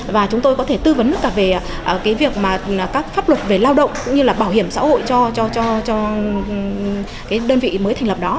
và chúng tôi có thể tư vấn cả về các pháp luật về lao động cũng như là bảo hiểm xã hội cho doanh nghiệp